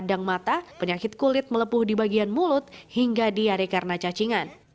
padang mata penyakit kulit melepuh di bagian mulut hingga diare karena cacingan